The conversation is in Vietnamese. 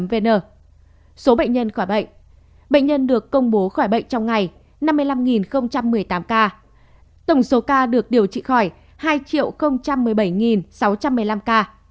bệnh nhân được công bố khỏi bệnh trong ngày năm mươi năm một mươi tám ca tổng số ca được điều trị khỏi hai một mươi bảy sáu trăm một mươi năm ca